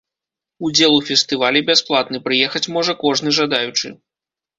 Удзел у фестывалі бясплатны, прыехаць можа кожны жадаючы.